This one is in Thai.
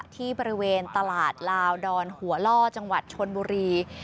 ที่บริเวณตลาดลาวดอนหัวล่อจังหวัดชนบุรี